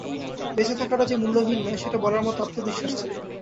বেঁচে থাকাটা যে মূল্যহীন নয় সেটা বলার মতো আত্মবিশ্বাস চাই!